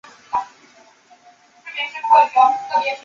玉鼎柱生十一子。